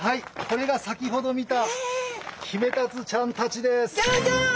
これが先ほど見たヒメタツちゃんたちです。